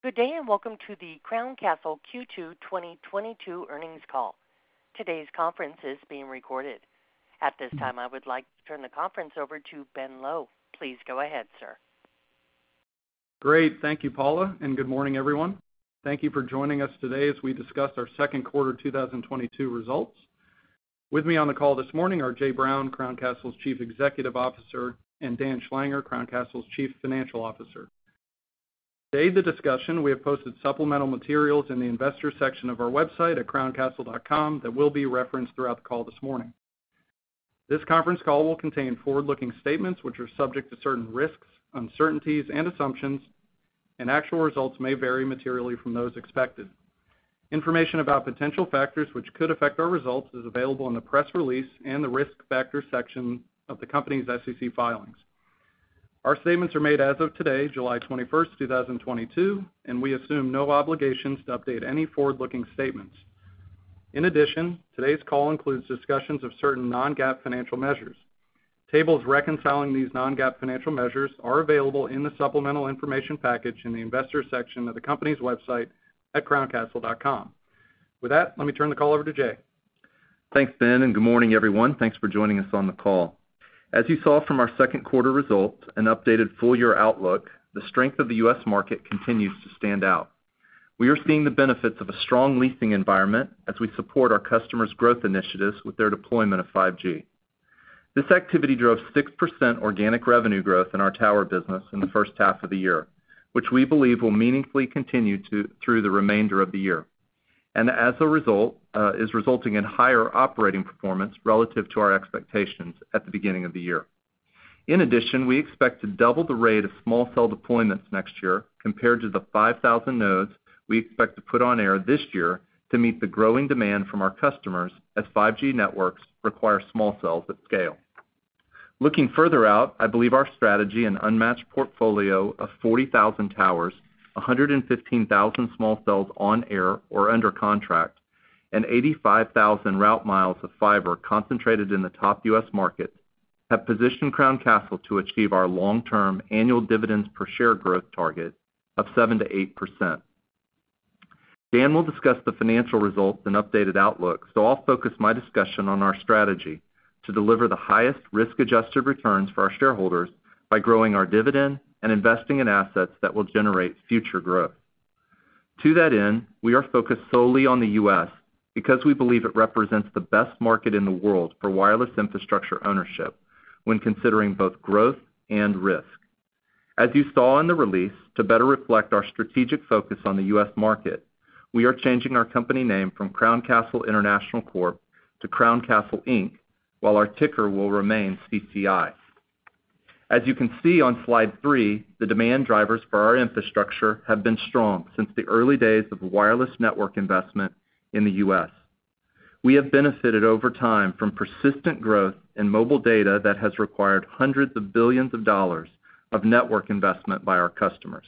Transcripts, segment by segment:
Good day, and welcome to the Crown Castle Q2 2022 earnings call. Today's conference is being recorded. At this time, I would like to turn the conference over to Ben Lowe. Please go ahead, sir. Great. Thank you, Paula, and good morning, everyone. Thank you for joining us today as we discuss our second quarter 2022 results. With me on the call this morning are Jay Brown, Crown Castle's Chief Executive Officer, and Dan Schlanger, Crown Castle's Chief Financial Officer. Today, for the discussion, we have posted supplemental materials in the investor section of our website at crowncastle.com that will be referenced throughout the call this morning. This conference call will contain forward-looking statements which are subject to certain risks, uncertainties and assumptions, and actual results may vary materially from those expected. Information about potential factors which could affect our results is available in the press release and the Risk Factor section of the company's SEC filings. Our statements are made as of today, July 21, 2022, and we assume no obligations to update any forward-looking statements. In addition, today's call includes discussions of certain Non-GAAP financial measures. Tables reconciling these Non-GAAP financial measures are available in the supplemental information package in the Investors section of the company's website at crowncastle.com. With that, let me turn the call over to Jay. Thanks, Ben, and good morning, everyone. Thanks for joining us on the call. As you saw from our second quarter results and updated full year outlook, the strength of the U.S. market continues to stand out. We are seeing the benefits of a strong leasing environment as we support our customers' growth initiatives with their deployment of 5G. This activity drove 6% organic revenue growth in our tower business in the first half of the year, which we believe will meaningfully continue through the remainder of the year. As a result, is resulting in higher operating performance relative to our expectations at the beginning of the year. In addition, we expect to double the rate of small cell deployments next year compared to the 5,000 nodes we expect to put on air this year to meet the growing demand from our customers as 5G networks require small cells at scale. Looking further out, I believe our strategy and unmatched portfolio of 40,000 towers, 115,000 small cells on air or under contract, and 85,000 route miles of fiber concentrated in the top U.S. market, have positioned Crown Castle to achieve our long-term annual dividends per share growth target of 7% to 8%. Dan will discuss the financial results and updated outlook, so I'll focus my discussion on our strategy to deliver the highest risk-adjusted returns for our shareholders by growing our dividend and investing in assets that will generate future growth. To that end, we are focused solely on the U.S. because we believe it represents the best market in the world for wireless infrastructure ownership when considering both growth and risk. As you saw in the release, to better reflect our strategic focus on the U.S. market, we are changing our company name from Crown Castle International Corp. to Crown Castle Inc., while our ticker will remain CCI. As you can see on slide three, the demand drivers for our infrastructure have been strong since the early days of wireless network investment in the U.S. We have benefited over time from persistent growth in mobile data that has required hundreds of billions of dollars of network investment by our customers.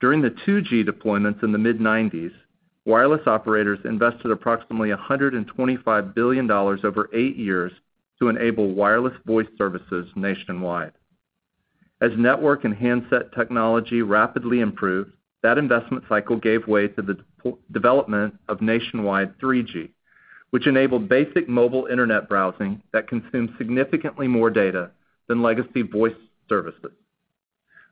During the 2G deployments in the mid-1990s, wireless operators invested approximately $125 billion over eight years to enable wireless voice services nationwide. As network and handset technology rapidly improved, that investment cycle gave way to the development of nationwide 3G, which enabled basic mobile internet browsing that consumed significantly more data than legacy voice services.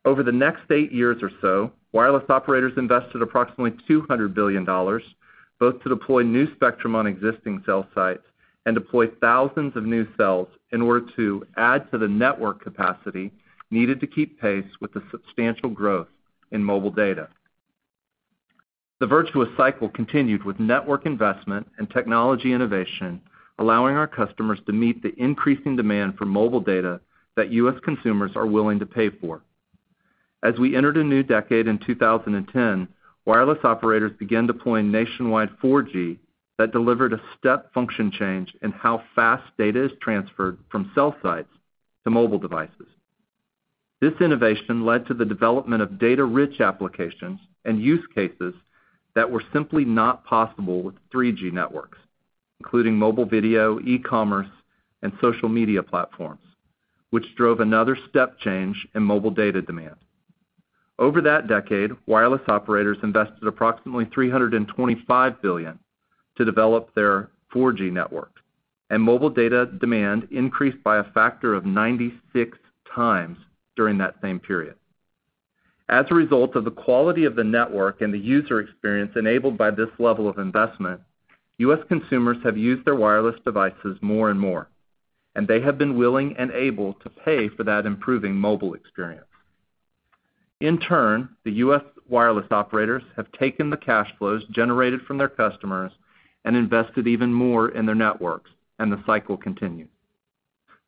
Over the next eight years or so, wireless operators invested approximately $200 billion, both to deploy new spectrum on existing cell sites and deploy thousands of new cells in order to add to the network capacity needed to keep pace with the substantial growth in mobile data. The virtuous cycle continued with network investment and technology innovation, allowing our customers to meet the increasing demand for mobile data that U.S. consumers are willing to pay for. As we entered a new decade in 2010, wireless operators began deploying nationwide 4G that delivered a step function change in how fast data is transferred from cell sites to mobile devices. This innovation led to the development of data-rich applications and use cases that were simply not possible with 3G networks, including mobile video, e-commerce, and social media platforms, which drove another step change in mobile data demand. Over that decade, wireless operators invested approximately $325 billion to develop their 4G network, and mobile data demand increased by a factor of 96 times during that same period. As a result of the quality of the network and the user experience enabled by this level of investment, U.S. consumers have used their wireless devices more and more, and they have been willing and able to pay for that improving mobile experience. In turn, the U.S. wireless operators have taken the cash flows generated from their customers and invested even more in their networks, and the cycle continued.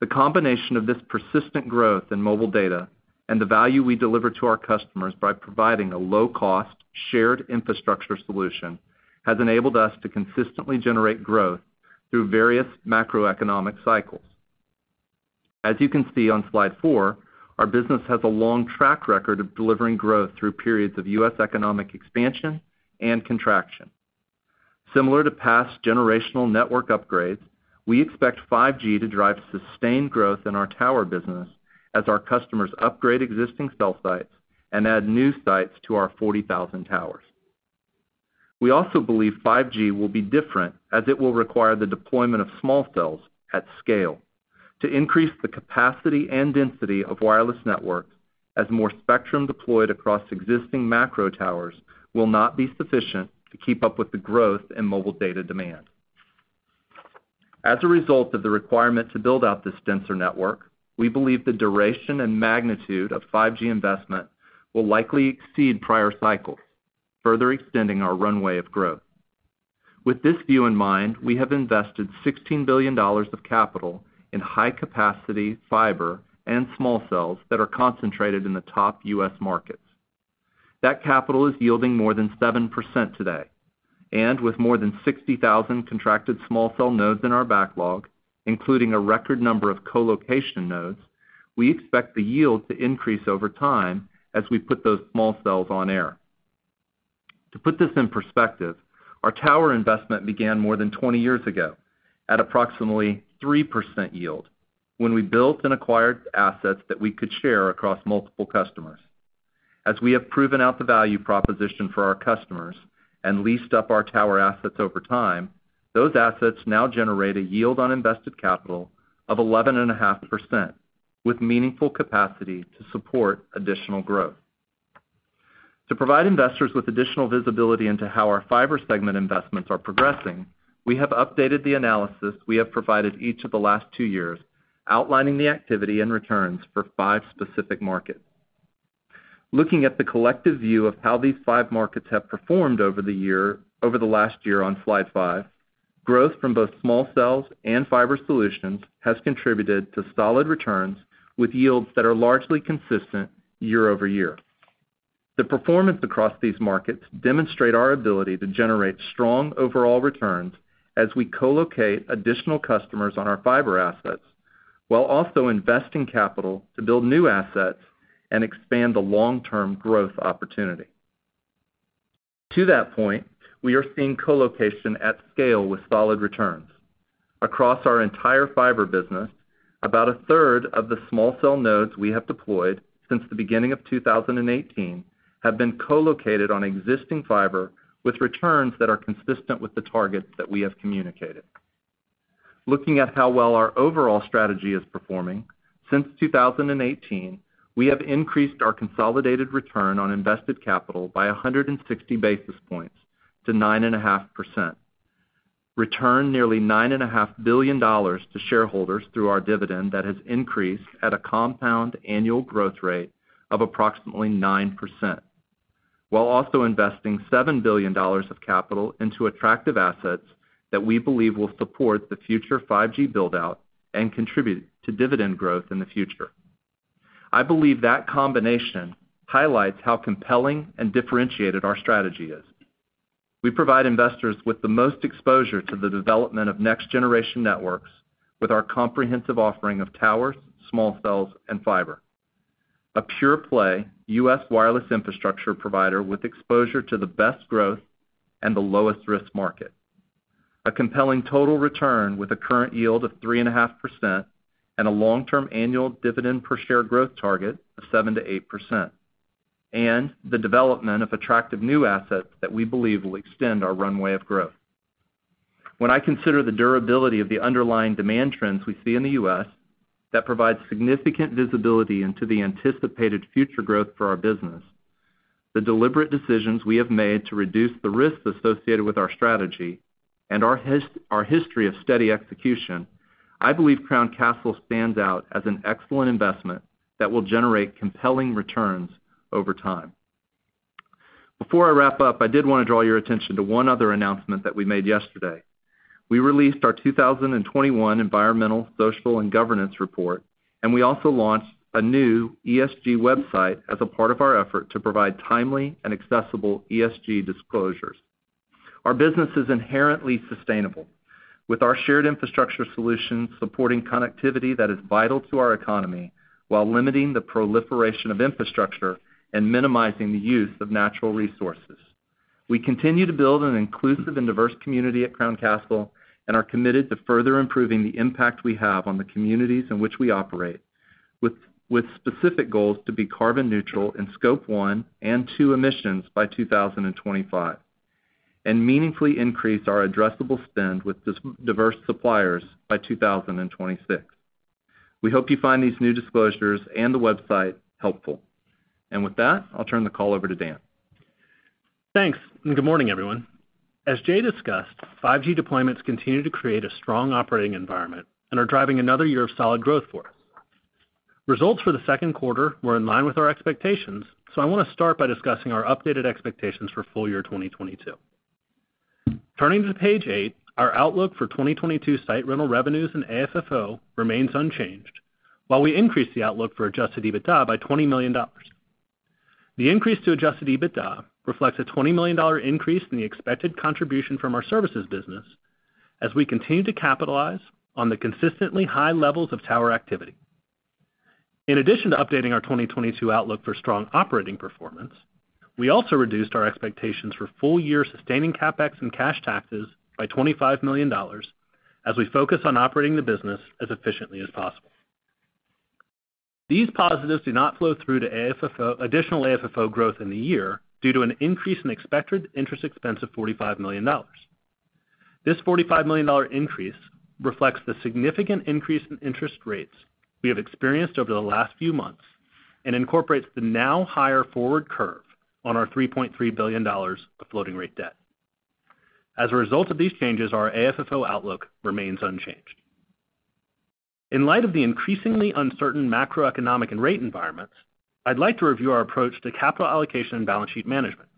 The combination of this persistent growth in mobile data and the value we deliver to our customers by providing a low-cost shared infrastructure solution has enabled us to consistently generate growth through various macroeconomic cycles. As you can see on slide four, our business has a long track record of delivering growth through periods of U.S. economic expansion and contraction. Similar to past generational network upgrades, we expect 5G to drive sustained growth in our tower business as our customers upgrade existing cell sites and add new sites to our 40,000 towers. We also believe 5G will be different, as it will require the deployment of small cells at scale to increase the capacity and density of wireless networks as more spectrum deployed across existing macro towers will not be sufficient to keep up with the growth in mobile data demand. As a result of the requirement to build out this denser network, we believe the duration and magnitude of 5G investment will likely exceed prior cycles, further extending our runway of growth. With this view in mind, we have invested $16 billion of capital in high-capacity fiber and small cells that are concentrated in the top U.S. markets. That capital is yielding more than 7% today, and with more than 60,000 contracted small cell nodes in our backlog, including a record number of co-location nodes, we expect the yield to increase over time as we put those small cells on air. To put this in perspective, our tower investment began more than 20 years ago at approximately 3% yield when we built and acquired assets that we could share across multiple customers. As we have proven out the value proposition for our customers and leased up our tower assets over time, those assets now generate a yield on invested capital of 11.5%, with meaningful capacity to support additional growth. To provide investors with additional visibility into how our fiber segment investments are progressing, we have updated the analysis we have provided each of the last 2 years outlining the activity and returns for 5 specific markets. Looking at the collective view of how these five markets have performed over the last year on slide 5, growth from both small cells and fiber solutions has contributed to solid returns with yields that are largely consistent year over year. The performance across these markets demonstrate our ability to generate strong overall returns as we co-locate additional customers on our fiber assets while also investing capital to build new assets and expand the long-term growth opportunity. To that point, we are seeing co-location at scale with solid returns. Across our entire fiber business, about a third of the small cell nodes we have deployed since the beginning of 2018 have been co-located on existing fiber with returns that are consistent with the targets that we have communicated. Looking at how well our overall strategy is performing, since 2018, we have increased our consolidated return on invested capital by 160 basis points to 9.5%, returned nearly $9.5 billion to shareholders through our dividend that has increased at a compound annual growth rate of approximately 9%, while also investing $7 billion of capital into attractive assets that we believe will support the future 5G build-out and contribute to dividend growth in the future. I believe that combination highlights how compelling and differentiated our strategy is. We provide investors with the most exposure to the development of next-generation networks with our comprehensive offering of towers, small cells, and fiber. A pure play U.S. wireless infrastructure provider with exposure to the best growth and the lowest risk market. A compelling total return with a current yield of 3.5% and a long-term annual dividend per share growth target of 7% to 8%, and the development of attractive new assets that we believe will extend our runway of growth. When I consider the durability of the underlying demand trends we see in the US that provide significant visibility into the anticipated future growth for our business, the deliberate decisions we have made to reduce the risks associated with our strategy and our history of steady execution, I believe Crown Castle stands out as an excellent investment that will generate compelling returns over time. Before I wrap up, I did wanna draw your attention to one other announcement that we made yesterday. We released our 2021 environmental, social, and governance report, and we also launched a new ESG website as a part of our effort to provide timely and accessible ESG disclosures. Our business is inherently sustainable, with our shared infrastructure solutions supporting connectivity that is vital to our economy while limiting the proliferation of infrastructure and minimizing the use of natural resources. We continue to build an inclusive and diverse community at Crown Castle and are committed to further improving the impact we have on the communities in which we operate, with specific goals to be carbon neutral in scope one and two emissions by 2025 and meaningfully increase our addressable spend with diverse suppliers by 2026. We hope you find these new disclosures and the website helpful. With that, I'll turn the call over to Dan. Thanks, and good morning, everyone. As Jay discussed, 5G deployments continue to create a strong operating environment and are driving another year of solid growth for us. Results for the second quarter were in line with our expectations, so I wanna start by discussing our updated expectations for full year 2022. Turning to page 8, our outlook for 2022 site rental revenues and AFFO remains unchanged, while we increased the outlook for adjusted EBITDA by $20 million. The increase to adjusted EBITDA reflects a $20 million increase in the expected contribution from our services business as we continue to capitalize on the consistently high levels of tower activity. In addition to updating our 2022 outlook for strong operating performance, we also reduced our expectations for full year sustaining CapEx and cash taxes by $25 million as we focus on operating the business as efficiently as possible. These positives do not flow through to AFFO, additional AFFO growth in the year due to an increase in expected interest expense of $45 million. This $45 million increase reflects the significant increase in interest rates we have experienced over the last few months and incorporates the now higher forward curve on our $3.3 billion of floating rate debt. As a result of these changes, our AFFO outlook remains unchanged. In light of the increasingly uncertain macroeconomic and rate environments, I'd like to review our approach to capital allocation and balance sheet management.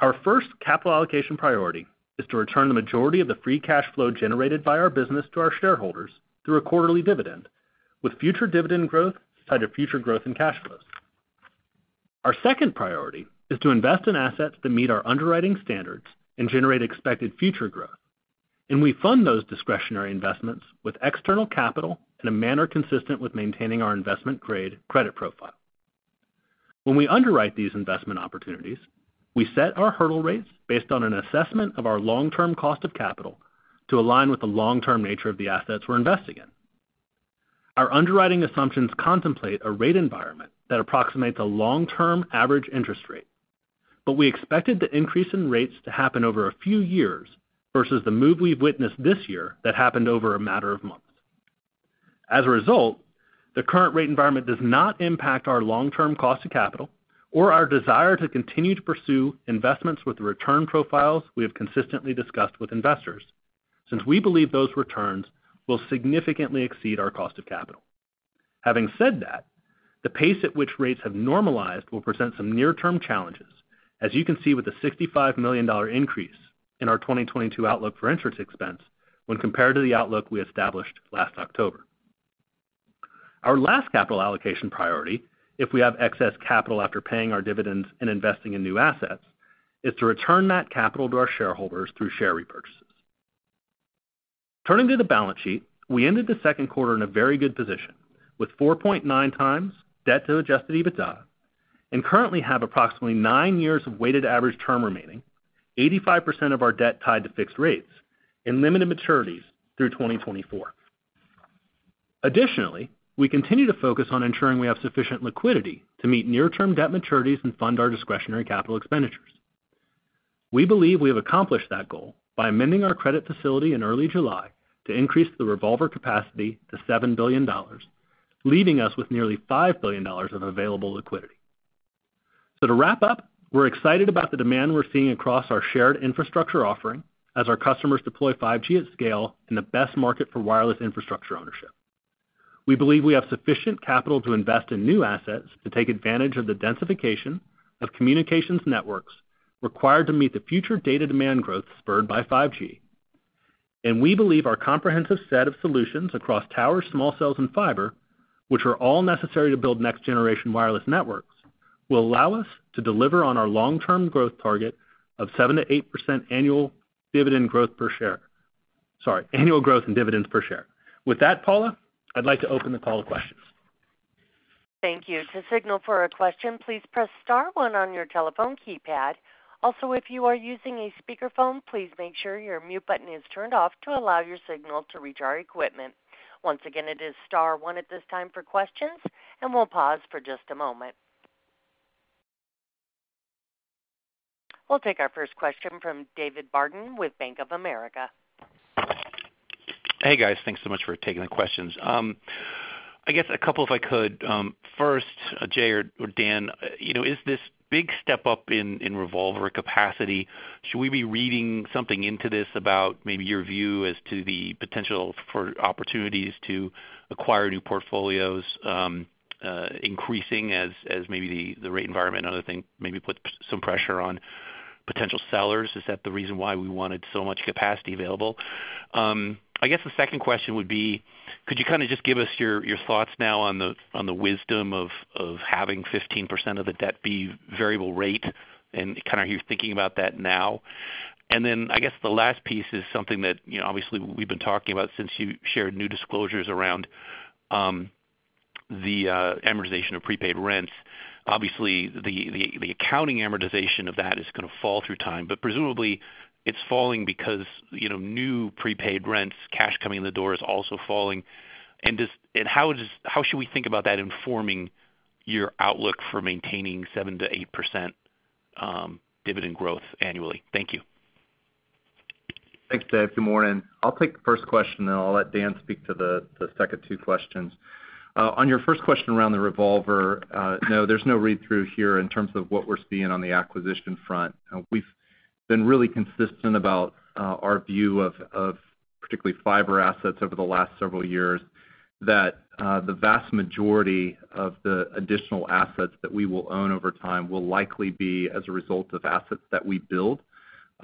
Our first capital allocation priority is to return the majority of the free cash flow generated by our business to our shareholders through a quarterly dividend, with future dividend growth tied to future growth in cash flows. Our second priority is to invest in assets that meet our underwriting standards and generate expected future growth, and we fund those discretionary investments with external capital in a manner consistent with maintaining our investment grade credit profile. When we underwrite these investment opportunities, we set our hurdle rates based on an assessment of our long-term cost of capital to align with the long-term nature of the assets we're investing in. Our underwriting assumptions contemplate a rate environment that approximates a long-term average interest rate, but we expected the increase in rates to happen over a few years versus the move we've witnessed this year that happened over a matter of months. As a result, the current rate environment does not impact our long-term cost of capital or our desire to continue to pursue investments with the return profiles we have consistently discussed with investors, since we believe those returns will significantly exceed our cost of capital. Having said that, the pace at which rates have normalized will present some near-term challenges, as you can see with the $65 million increase in our 2022 outlook for interest expense when compared to the outlook we established last October. Our last capital allocation priority, if we have excess capital after paying our dividends and investing in new assets, is to return that capital to our shareholders through share repurchases. Turning to the balance sheet, we ended the second quarter in a very good position, with 4.9 times debt to adjusted EBITDA and currently have approximately nine years of weighted average term remaining, 85% of our debt tied to fixed rates and limited maturities through 2024. Additionally, we continue to focus on ensuring we have sufficient liquidity to meet near-term debt maturities and fund our discretionary capital expenditures. We believe we have accomplished that goal by amending our credit facility in early July to increase the revolver capacity to $7 billion, leaving us with nearly $5 billion of available liquidity. To wrap up, we're excited about the demand we're seeing across our shared infrastructure offering as our customers deploy 5G at scale in the best market for wireless infrastructure ownership. We believe we have sufficient capital to invest in new assets to take advantage of the densification of communications networks required to meet the future data demand growth spurred by 5G. We believe our comprehensive set of solutions across towers, small cells, and fiber, which are all necessary to build next-generation wireless networks, will allow us to deliver on our long-term growth target of 7% to 8% annual dividend growth per share. Sorry, annual growth in dividends per share. With that, Paula, I'd like to open the call to questions. Thank you. To signal for a question, please press star one on your telephone keypad. Also, if you are using a speakerphone, please make sure your mute button is turned off to allow your signal to reach our equipment. Once again, it is star one at this time for questions, and we'll pause for just a moment. We'll take our first question from David Barden with Bank of America. Hey, guys. Thanks so much for taking the questions. I guess a couple if I could. First, Jay or Dan, you know, is this big step up in revolver capacity, should we be reading something into this about maybe your view as to the potential for opportunities to acquire new portfolios, increasing as maybe the rate environment, another thing maybe put some pressure on potential sellers? Is that the reason why we wanted so much capacity available? I guess the second question would be, could you kind of just give us your thoughts now on the wisdom of having 15% of the debt be variable rate? Kind of are you thinking about that now? I guess the last piece is something that, you know, obviously we've been talking about since you shared new disclosures around the amortization of prepaid rents. Obviously, the accounting amortization of that is gonna fall through time, but presumably it's falling because, you know, new prepaid rents, cash coming in the door is also falling. How should we think about that informing your outlook for maintaining 7%-8% dividend growth annually? Thank you. Thanks, Dave. Good morning. I'll take the first question, then I'll let Dan speak to the second two questions. On your first question around the revolver, no, there's no read-through here in terms of what we're seeing on the acquisition front. We've been really consistent about our view of particularly fiber assets over the last several years, that the vast majority of the additional assets that we will own over time will likely be as a result of assets that we build.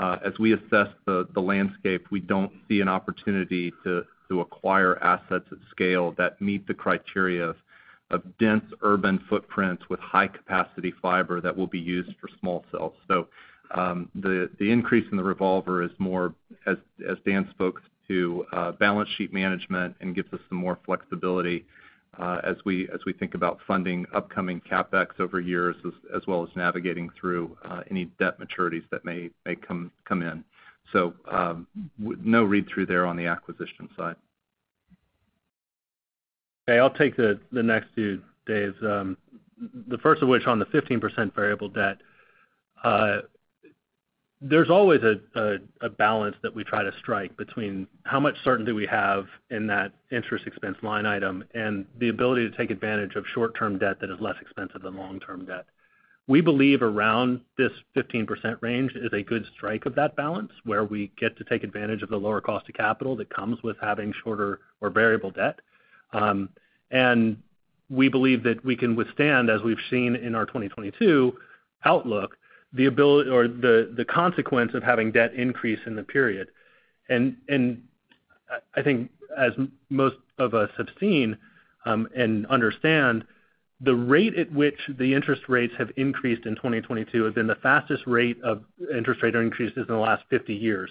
As we assess the landscape, we don't see an opportunity to acquire assets at scale that meet the criteria of dense urban footprints with high capacity fiber that will be used for small cells. The increase in the revolver is more, as Dan spoke to, balance sheet management and gives us some more flexibility, as we think about funding upcoming CapEx over years as well as navigating through any debt maturities that may come in. No read-through there on the acquisition side. Okay. I'll take the next two, Dave. The first of which on the 15% variable debt. There's always a balance that we try to strike between how much certainty we have in that interest expense line item and the ability to take advantage of short-term debt that is less expensive than long-term debt. We believe around this 15% range is a good strike of that balance, where we get to take advantage of the lower cost of capital that comes with having shorter or variable debt. We believe that we can withstand, as we've seen in our 2022 outlook, the ability or the consequence of having debt increase in the period. I think as most of us have seen and understand, the rate at which the interest rates have increased in 2022 have been the fastest rate of interest rate increases in the last 50 years.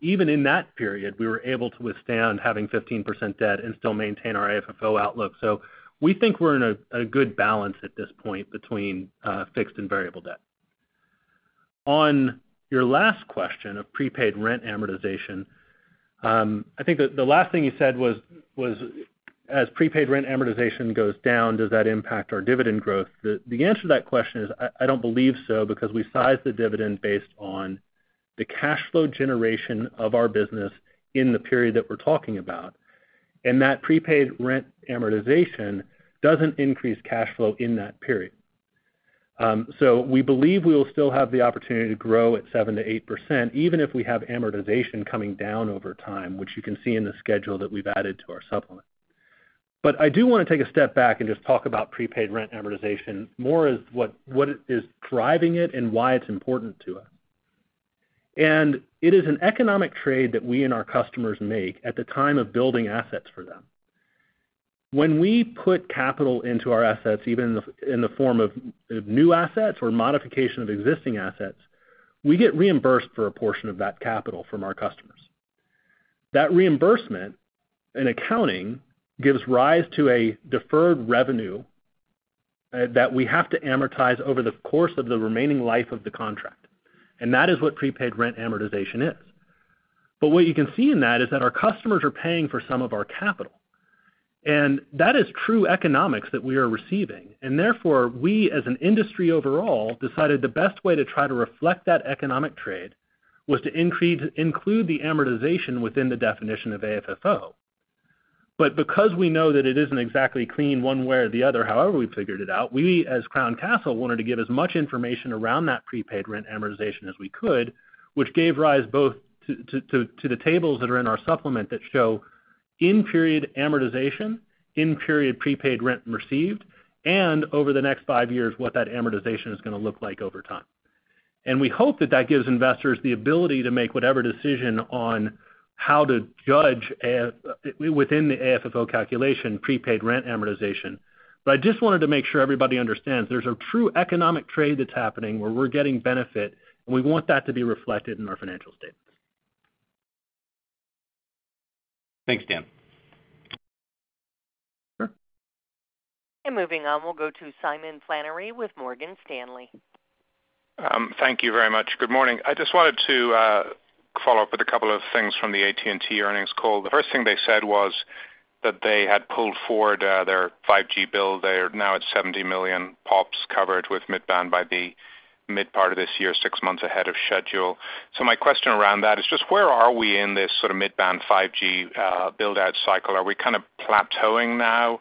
Even in that period, we were able to withstand having 15% debt and still maintain our AFFO outlook. We think we're in a good balance at this point between fixed and variable debt. On your last question of prepaid rent amortization, I think the last thing you said was as prepaid rent amortization goes down, does that impact our dividend growth? The answer to that question is I don't believe so because we size the dividend based on the cash flow generation of our business in the period that we're talking about. That prepaid rent amortization doesn't increase cash flow in that period. We believe we'll still have the opportunity to grow at 7% to 8%, even if we have amortization coming down over time, which you can see in the schedule that we've added to our supplement. I do wanna take a step back and just talk about prepaid rent amortization more as what it is, what is driving it and why it's important to us. It is an economic trade that we and our customers make at the time of building assets for them. When we put capital into our assets, even in the form of new assets or modification of existing assets, we get reimbursed for a portion of that capital from our customers. That reimbursement in accounting gives rise to a deferred revenue that we have to amortize over the course of the remaining life of the contract, and that is what prepaid rent amortization is. But what you can see in that is that our customers are paying for some of our capital, and that is true economics that we are receiving. Therefore, we, as an industry overall, decided the best way to try to reflect that economic trade was to include the amortization within the definition of AFFO. Because we know that it isn't exactly clean one way or the other however we figured it out, we, as Crown Castle, wanted to give as much information around that prepaid rent amortization as we could, which gave rise both to the tables that are in our supplement that show in-period amortization, in-period prepaid rent received, and over the next five years, what that amortization is gonna look like over time. We hope that that gives investors the ability to make whatever decision on how to judge AFFO within the AFFO calculation, prepaid rent amortization. I just wanted to make sure everybody understands there's a true economic trade that's happening, where we're getting benefit, and we want that to be reflected in our financial statements. Thanks, Dan. Sure. Moving on, we'll go to Simon Flannery with Morgan Stanley. Thank you very much. Good morning. I just wanted to follow up with a couple of things from the AT&T earnings call. The first thing they said was that they had pulled forward their 5G build. They are now at 70 million POPs covered with mid-band by the mid part of this year, six months ahead of schedule. My question around that is just where are we in this sort of mid-band 5G build-out cycle? Are we kind of plateauing now,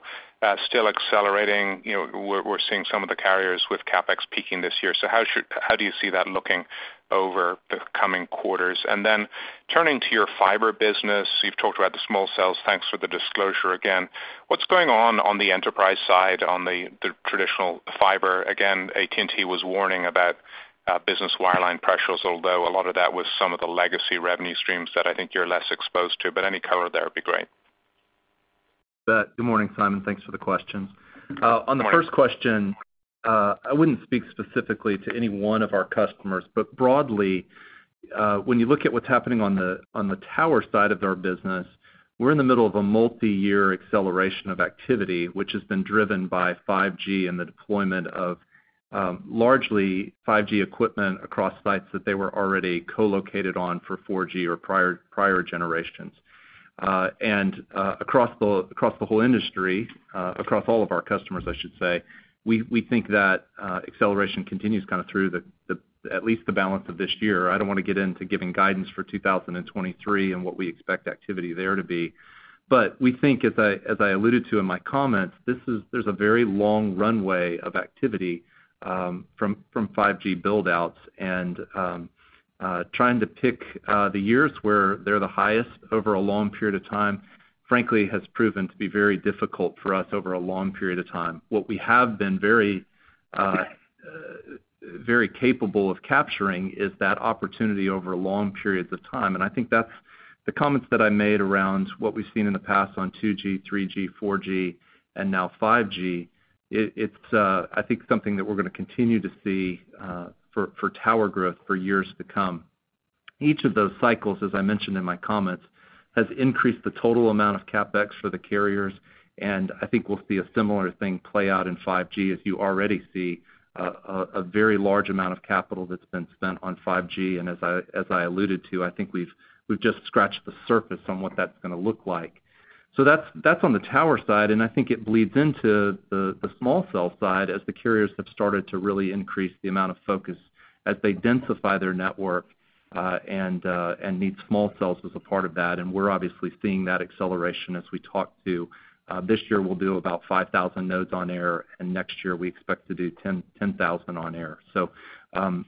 still accelerating? You know, we're seeing some of the carriers with CapEx peaking this year. How do you see that looking over the coming quarters? Then turning to your fiber business, you've talked about the small cells. Thanks for the disclosure again. What's going on the enterprise side on the traditional fiber? Again, AT&T was warning about, business wireline pressures, although a lot of that was some of the legacy revenue streams that I think you're less exposed to. Any color there would be great. Good morning, Simon. Thanks for the questions. On the first question, I wouldn't speak specifically to any one of our customers. Broadly, when you look at what's happening on the tower side of our business, we're in the middle of a multiyear acceleration of activity, which has been driven by 5G and the deployment of largely 5G equipment across sites that they were already co-located on for 4G or prior generations. Across the whole industry, across all of our customers I should say, we think that acceleration continues kind of through at least the balance of this year. I don't wanna get into giving guidance for 2023 and what we expect activity there to be. We think, as I alluded to in my comments, there's a very long runway of activity from 5G build-outs. Trying to pick the years where they're the highest over a long period of time, frankly, has proven to be very difficult for us over a long period of time. What we have been very capable of capturing is that opportunity over long periods of time. I think that's the comments that I made around what we've seen in the past on 2G, 3G, 4G, and now 5G. It's, I think, something that we're gonna continue to see for tower growth for years to come. Each of those cycles, as I mentioned in my comments, has increased the total amount of CapEx for the carriers, and I think we'll see a similar thing play out in 5G as you already see a very large amount of capital that's been spent on 5G. As I alluded to, I think we've just scratched the surface on what that's gonna look like. That's on the tower side, and I think it bleeds into the small cell side as the carriers have started to really increase the amount of focus as they densify their network, and need small cells as a part of that. We're obviously seeing that acceleration as we talk, this year we'll do about 5,000 nodes on air, and next year we expect to do 10,000 on air.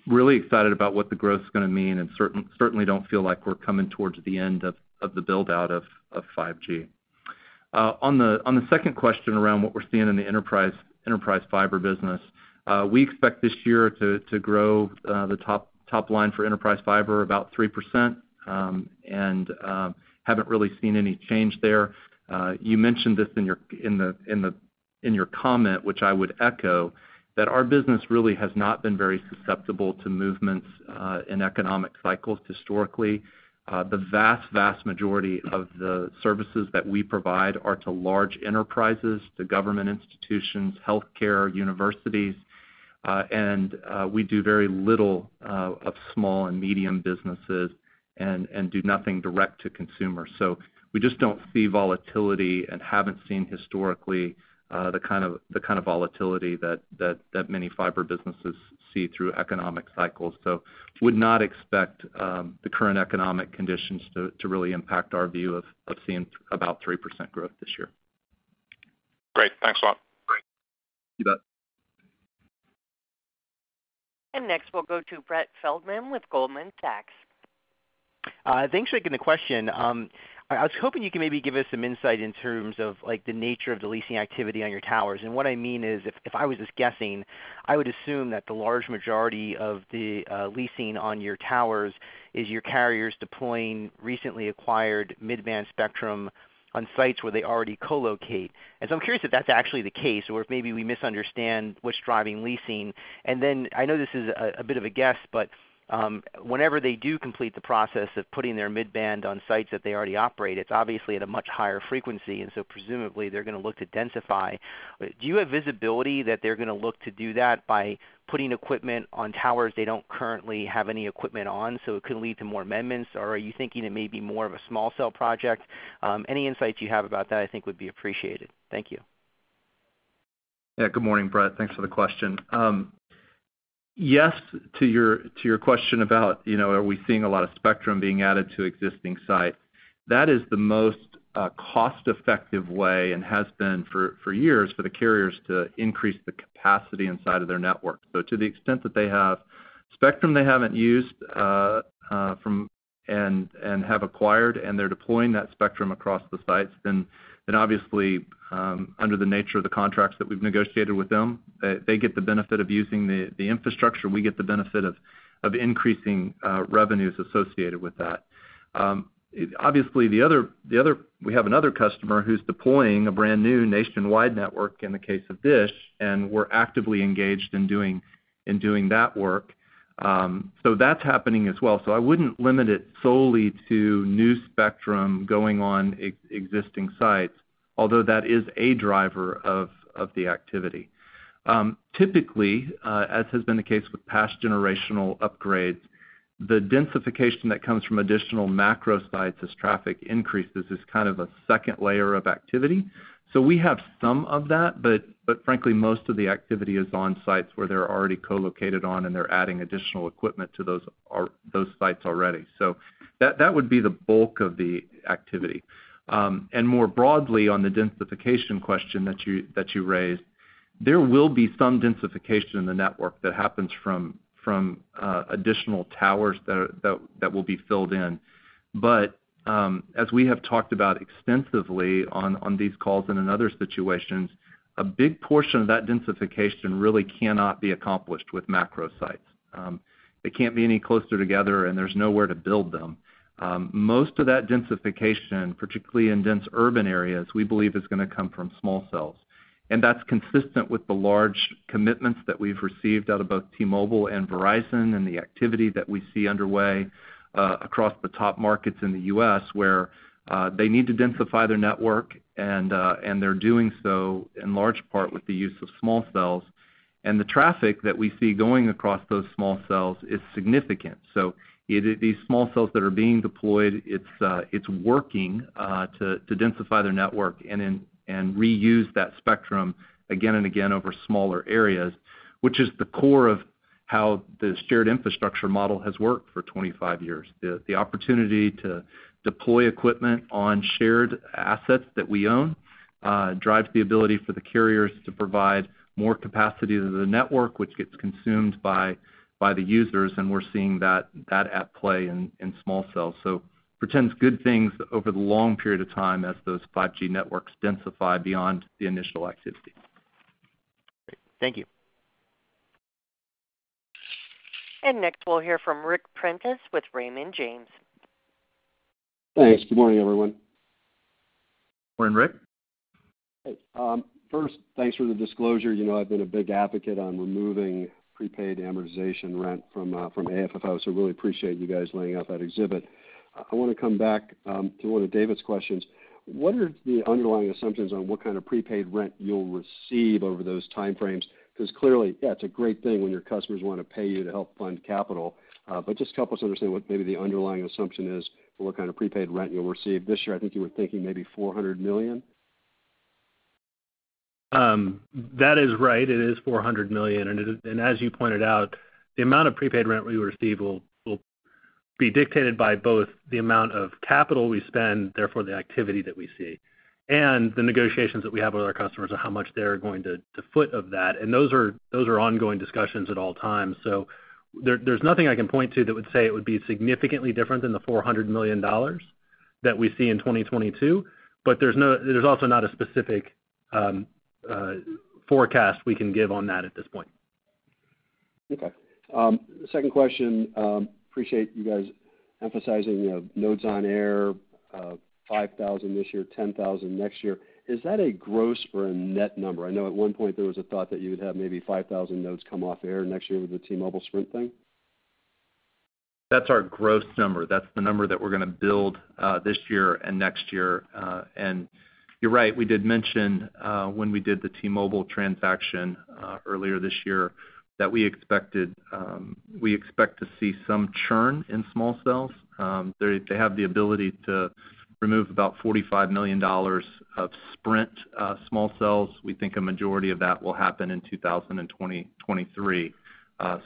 Really excited about what the growth is gonna mean, and certainly don't feel like we're coming towards the end of the build-out of 5G. On the second question around what we're seeing in the enterprise fiber business. We expect this year to grow the top line for enterprise fiber about 3%, and haven't really seen any change there. You mentioned this in your comment, which I would echo, that our business really has not been very susceptible to movements in economic cycles historically. The vast majority of the services that we provide are to large enterprises, to government institutions, healthcare, universities, and we do very little of small and medium businesses and do nothing direct to consumer. We just don't see volatility and haven't seen historically the kind of volatility that many fiber businesses see through economic cycles. We would not expect the current economic conditions to really impact our view of seeing about 3% growth this year. Great. Thanks a lot. Great. See that. Next, we'll go to Brett Feldman with Goldman Sachs. Thanks, Rick, for the question. I was hoping you could maybe give us some insight in terms of like the nature of the leasing activity on your towers. What I mean is, I was just guessing, I would assume that the large majority of the leasing on your towers is your carriers deploying recently acquired mid-band spectrum on sites where they already co-locate. I'm curious if that's actually the case or if maybe we misunderstand what's driving leasing. I know this is a bit of a guess. Whenever they do complete the process of putting their mid-band on sites that they already operate, it's obviously at a much higher frequency, and so presumably they're gonna look to densify. Do you have visibility that they're gonna look to do that by putting equipment on towers they don't currently have any equipment on, so it could lead to more amendments, or are you thinking it may be more of a small cell project? Any insights you have about that I think would be appreciated. Thank you. Yeah. Good morning, Brett. Thanks for the question. Yes, to your question about, you know, are we seeing a lot of spectrum being added to existing sites. That is the most cost-effective way and has been for years for the carriers to increase the capacity inside of their network. To the extent that they have spectrum they haven't used and have acquired, and they're deploying that spectrum across the sites, then obviously, under the nature of the contracts that we've negotiated with them, they get the benefit of using the infrastructure. We get the benefit of increasing revenues associated with that. Obviously, we have another customer who's deploying a brand-new nationwide network in the case of DISH, and we're actively engaged in doing that work. That's happening as well. I wouldn't limit it solely to new spectrum going on existing sites, although that is a driver of the activity. Typically, as has been the case with past generational upgrades, the densification that comes from additional macro sites as traffic increases is kind of a second layer of activity. We have some of that, but frankly, most of the activity is on sites where they're already co-located on and they're adding additional equipment to those or those sites already. That would be the bulk of the activity. More broadly, on the densification question that you raised, there will be some densification in the network that happens from additional towers that will be filled in. As we have talked about extensively on these calls and in other situations, a big portion of that densification really cannot be accomplished with macro sites. They can't be any closer together, and there's nowhere to build them. Most of that densification, particularly in dense urban areas, we believe is gonna come from small cells. That's consistent with the large commitments that we've received out of both T-Mobile and Verizon and the activity that we see underway across the top markets in the U.S., where they need to densify their network and they're doing so in large part with the use of small cells. The traffic that we see going across those small cells is significant. It is these small cells that are being deployed, it's working to densify their network and reuse that spectrum again and again over smaller areas, which is the core of how the shared infrastructure model has worked for 25 years. The opportunity to deploy equipment on shared assets that we own drives the ability for the carriers to provide more capacity to the network, which gets consumed by the users, and we're seeing that at play in small cells. Portends good things over the long period of time as those 5G networks densify beyond the initial activity. Great. Thank you. Next, we'll hear from Ric Prentiss with Raymond James. Thanks. Good morning, everyone. Morning, Ric. Hey, first, thanks for the disclosure. You know I've been a big advocate on removing prepaid amortization rent from AFFO, so really appreciate you guys laying out that exhibit. I wanna come back to one of David's questions. What are the underlying assumptions on what kind of prepaid rent you'll receive over those time frames? 'Cause clearly, yeah, it's a great thing when your customers wanna pay you to help fund capital. But just help us understand what maybe the underlying assumption is for what kind of prepaid rent you'll receive. This year, I think you were thinking maybe $400 million. That is right. It is $400 million. It is, and as you pointed out, the amount of prepaid rent we receive will be dictated by both the amount of capital we spend, therefore, the activity that we see, and the negotiations that we have with our customers on how much they're going to foot of that. Those are ongoing discussions at all times. There, there's nothing I can point to that would say it would be significantly different than the $400 million that we see in 2022, but there's no, there's also not a specific forecast we can give on that at this point. Okay. Second question, appreciate you guys emphasizing, you know, nodes on air, 5,000 this year, 10,000 next year. Is that a gross or a net number? I know at one point, there was a thought that you would have maybe 5,000 nodes come off air next year with the T-Mobile Sprint thing. That's our gross number. That's the number that we're gonna build this year and next year. You're right, we did mention when we did the T-Mobile transaction earlier this year that we expected we expect to see some churn in small cells. They have the ability to remove about $45 million of Sprint small cells. We think a majority of that will happen in 2023.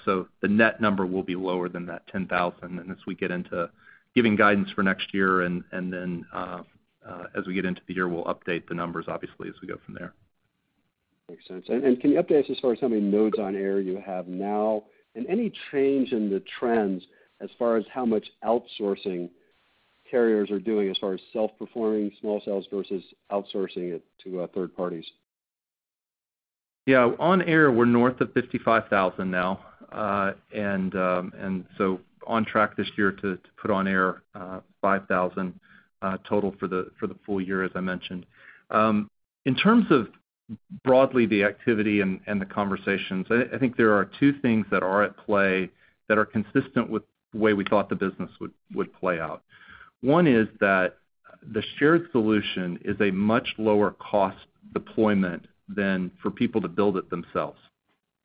So the net number will be lower than that 10,000. As we get into giving guidance for next year and then as we get into the year, we'll update the numbers obviously as we go from there. Makes sense. Can you update us as far as how many nodes on air you have now, and any change in the trends as far as how much outsourcing carriers are doing as far as self-performing small cells versus outsourcing it to third parties? Yeah. On air, we're north of 55,000 now. On track this year to put on air 5,000 total for the full year, as I mentioned. In terms of broadly the activity and the conversations, I think there are two things that are at play that are consistent with the way we thought the business would play out. One is that the shared solution is a much lower cost deployment than for people to build it themselves.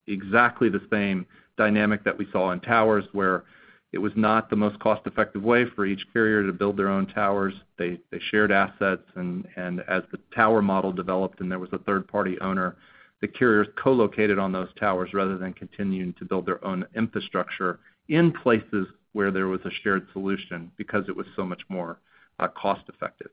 Exactly the same dynamic that we saw in towers, where it was not the most cost-effective way for each carrier to build their own towers. They shared assets and as the tower model developed and there was a third-party owner, the carriers co-located on those towers rather than continuing to build their own infrastructure in places where there was a shared solution because it was so much more cost effective.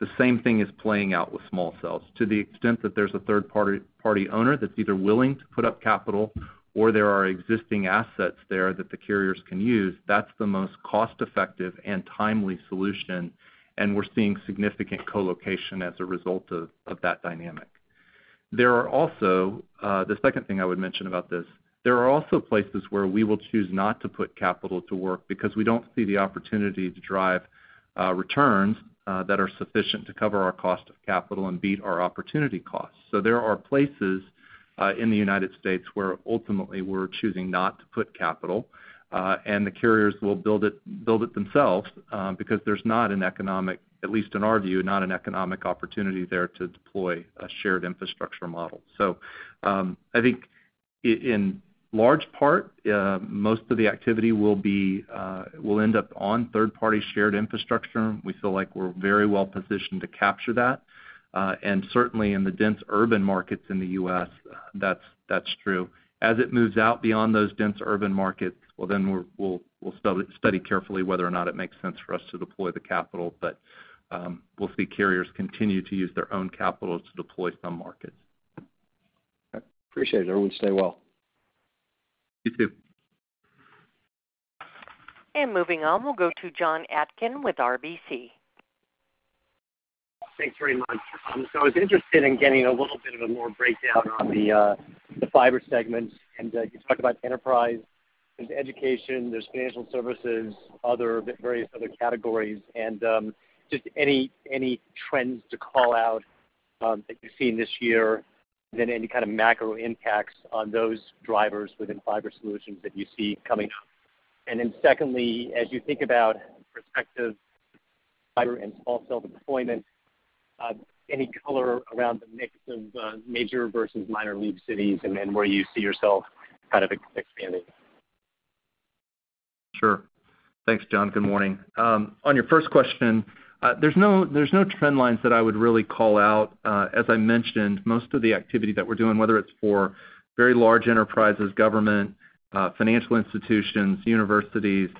The same thing is playing out with small cells. To the extent that there's a third party owner that's either willing to put up capital or there are existing assets there that the carriers can use, that's the most cost effective and timely solution, and we're seeing significant co-location as a result of that dynamic. There are also the second thing I would mention about this. There are also places where we will choose not to put capital to work because we don't see the opportunity to drive returns that are sufficient to cover our cost of capital and beat our opportunity costs. There are places in the United States where ultimately we're choosing not to put capital, and the carriers will build it themselves because there's not an economic, at least in our view, not an economic opportunity there to deploy a shared infrastructure model. I think in large part most of the activity will end up on third-party shared infrastructure. We feel like we're very well positioned to capture that. Certainly in the dense urban markets in the U.S., that's true. As it moves out beyond those dense urban markets, well, then we'll study carefully whether or not it makes sense for us to deploy the capital. We'll see carriers continue to use their own capital to deploy some markets. Okay. Appreciate it, everyone. Stay well. You too. Moving on, we'll go to Jonathan Atkin with RBC. Thanks very much. I was interested in getting a little bit of a more breakdown on the fiber segment. You talked about enterprise. There's education, there's financial services, other, various other categories, and just any trends to call out that you've seen this year, then any kind of macro impacts on those drivers within fiber solutions that you see coming up. Secondly, as you think about prospective fiber and small cell deployment, any color around the mix of major versus minor league cities and then where you see yourself kind of expanding? Sure. Thanks, John. Good morning. On your first question, there's no trend lines that I would really call out. As I mentioned, most of the activity that we're doing, whether it's for very large enterprises, government, financial institutions, universities,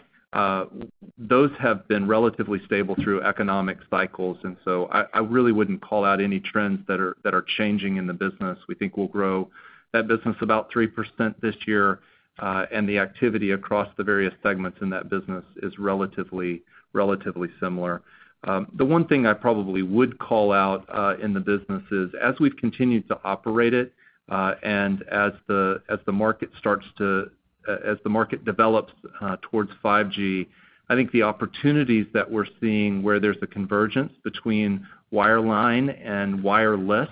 those have been relatively stable through economic cycles, and so I really wouldn't call out any trends that are changing in the business. We think we'll grow that business about 3% this year, and the activity across the various segments in that business is relatively similar. The one thing I probably would call out in the business is as we've continued to operate it, and as the market develops towards 5G, I think the opportunities that we're seeing where there's a convergence between wireline and wireless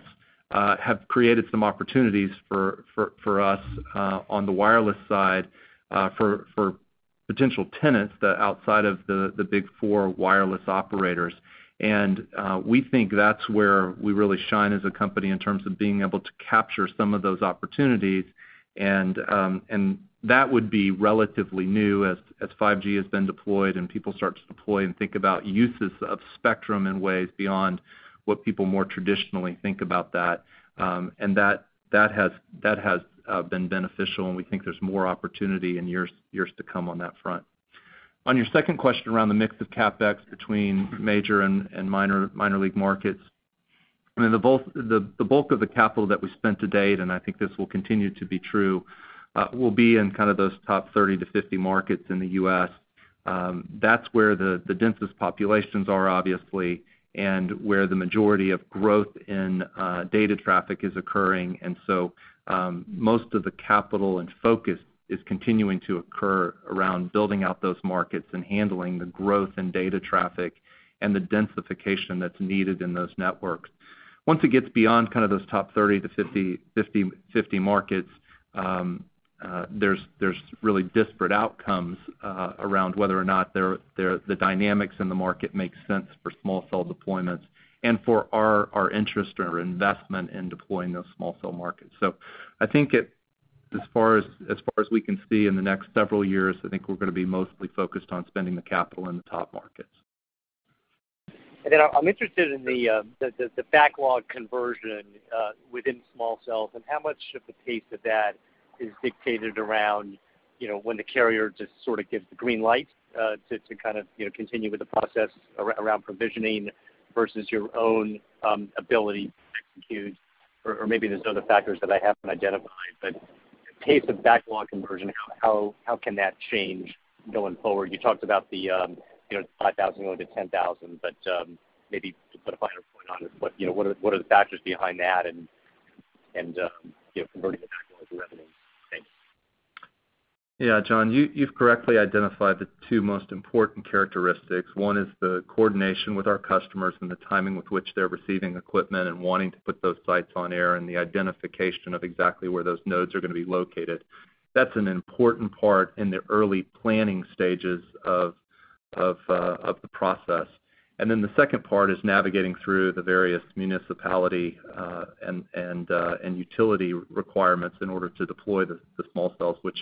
have created some opportunities for us on the wireless side for potential tenants that outside of the big four wireless operators. We think that's where we really shine as a company in terms of being able to capture some of those opportunities, and that would be relatively new as 5G has been deployed and people start to deploy and think about uses of spectrum in ways beyond what people more traditionally think about that. That has been beneficial, and we think there's more opportunity in years to come on that front. On your second question around the mix of CapEx between major and minor league markets, I mean, the bulk of the capital that we spent to date, and I think this will continue to be true, will be in kind of those top 30-50 markets in the U.S. That's where the densest populations are obviously, and where the majority of growth in data traffic is occurring. Most of the capital and focus is continuing to occur around building out those markets and handling the growth in data traffic and the densification that's needed in those networks. Once it gets beyond kind of those top 30-50 markets, there's really disparate outcomes around whether or not the dynamics in the market make sense for small cell deployments and for our interest or investment in deploying those small cell markets. I think, as far as we can see in the next several years, we're gonna be mostly focused on spending the capital in the top markets. I'm interested in the backlog conversion within small cells and how much of the pace of that is dictated around, you know, when the carrier just sort of gives the green light to kind of, you know, continue with the process around provisioning versus your own ability to execute. Maybe there's other factors that I haven't identified. The pace of backlog conversion, how can that change going forward? You talked about the, you know, the 5,000 going to 10,000, but maybe to put a finer point on it, what are the factors behind that? And you know, converting the backlog to revenue. Thanks. Yeah, Jonathan, you've correctly identified the two most important characteristics. One is the coordination with our customers and the timing with which they're receiving equipment and wanting to put those sites on air, and the identification of exactly where those nodes are gonna be located. That's an important part in the early planning stages of the process. Then the second part is navigating through the various municipality and utility requirements in order to deploy the small cells, which